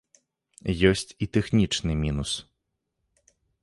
Ёсць і тэхнічны мінус.